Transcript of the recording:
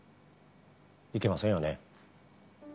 行けませんよね。